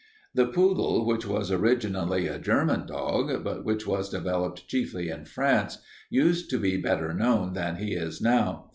"The poodle, which was originally a German dog but which was developed chiefly in France, used to be better known than he is now.